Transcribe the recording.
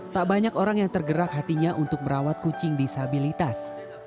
tak banyak orang yang tergerak hatinya untuk merawat kucing disabilitas